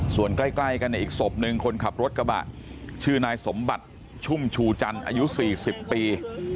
ส่วนใกล้กันเนี่ยอีกศพหนึ่งคนขับรถกระบะชื่อนายสมบัติชุ่มชูจันทร์อายุ๔๐ปี